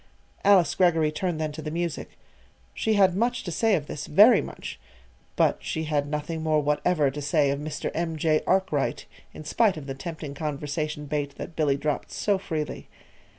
Alice Greggory turned then to the music. She had much to say of this very much; but she had nothing more whatever to say of Mr. M. J. Arkwright in spite of the tempting conversation bait that Billy dropped so freely.